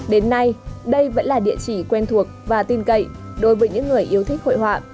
đến nay đây vẫn là địa chỉ quen thuộc và tin cậy đối với những người yêu thích hội họa